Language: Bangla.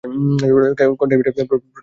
কন্টেইনমেন্ট প্রোটোকল সক্রিয় হয়েছে।